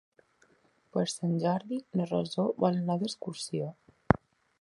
Per Sant Jordi na Rosó vol anar d'excursió.